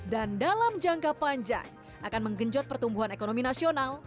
dan dalam jangka panjang akan menggenjot pertumbuhan ekonomi nasional